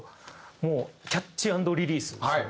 もうキャッチ＆リリースですよね。